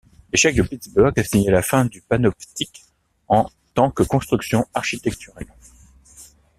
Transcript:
L’échec de Pittsburgh a signé la fin du Panoptique en tant que construction architecturale.